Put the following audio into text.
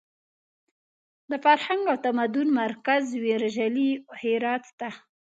د فرهنګ او تمدن مرکز ویرژلي هرات ته!